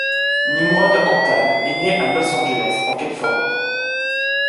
Nimród Antal est né à Los Angeles en Californie.